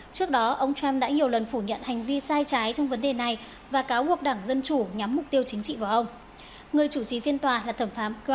trước đó ông trump đã nhiều lần phủ nhận hành vi sai trái trong vấn đề này và cáo buộc đảng dân chủ nhắm mục tiêu chính trị vào ông